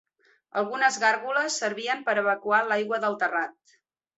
Algunes gàrgoles servien per evacuar l’aigua del terrat.